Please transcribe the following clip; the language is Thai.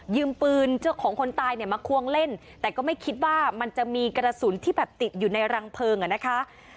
ปืนเจ้าของคนตายเนี่ยมาควงเล่นแต่ก็ไม่คิดว่ามันจะมีกระสุนที่แบบติดอยู่ในรังเพลิงอ่ะนะคะ